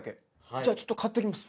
じゃあちょっと買ってきます。